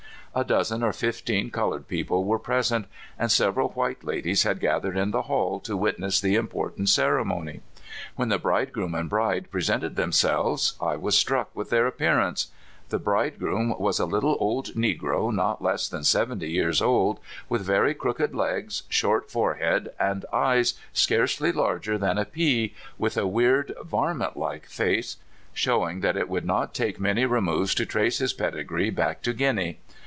A dozen or fifteen colored people were prese it, and several white ladies had gathered in the hall to witness the important cere mony. When the bridegroom and bride pre sented themselves I was struck with their appear ance. The bridegroom was a little old negro, not less than seventy years old, with very crooked legs, short forehead, and eyes scarcely larger than a pea, with a weird, *' varmintlike " face, show ing that it would not take many removes to trace his pedigree back to Guinea.